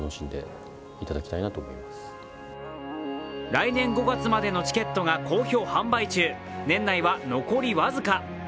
来年５月までのチケットが好評販売中、年内は残り僅か。